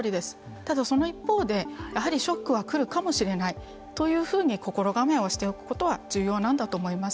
ただ、その一方でやはりショックは来るかもしれないというふうに心構えをしておくことは重要なんだと思います。